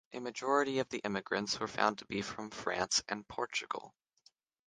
A majority of the immigrants were found to be from France and Portugal.